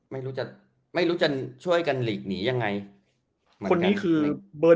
ไม่รู้จะไม่รู้จะช่วยกันหลีกหนียังไงคนนี้คือเบอร์